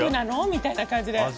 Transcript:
みたいな感じで。